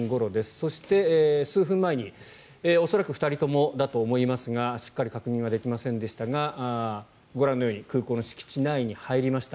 そして、数分前に恐らく２人ともだと思いますがしっかり確認はできませんでしたがご覧のように空港の敷地内に入りました。